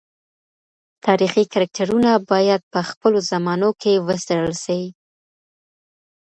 تاریخي کرکټرونه باید په خپلو زمانو کي وڅېړل سي.